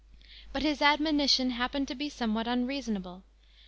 But his admonition happened to be somewhat unseasonable.